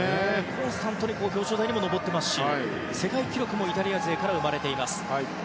コンスタントに表彰台に上っていますし世界記録もイタリア勢から生まれています。